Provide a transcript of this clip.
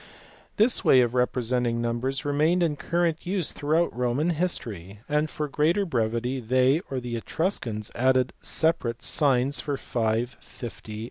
This way of representing numbers remained in current use throughout Roman history; and for greater brevity they or the Etruscans added separate signs for 5, 50, &c.